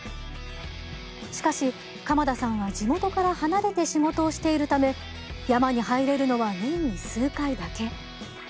しかし鎌田さんは地元から離れて仕事をしているため山に入れるのは年に数回だけ。